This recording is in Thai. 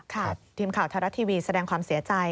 ครับทีมข่าวเท้ารักทีวีแสดงความเสียใจ